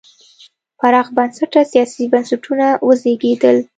پراخ بنسټه سیاسي بنسټونه وزېږېدل.